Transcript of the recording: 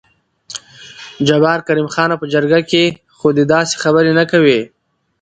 جبار: کريم خانه په جرګه کې خو دې داسې خبرې نه کوې.